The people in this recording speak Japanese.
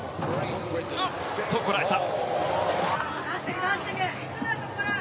こらえた。